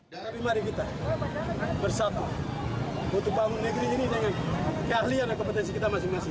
dan kami mari kita bersatu untuk bangun negeri ini dengan keahlian dan kompetensi kita masing masing